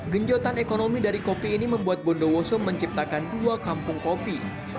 genjotan ekonomi dari kopi ini membuat bondowoso menciptakan dua kampung kopi